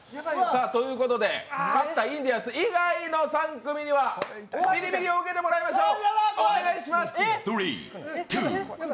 ということで、勝ったインディアンス以外の３組にはビリビリを受けてもらいましょう。